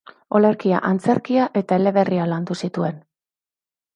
Olerkia, antzerkia eta eleberria landu zituen.